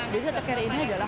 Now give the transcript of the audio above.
biasa kere ini adalah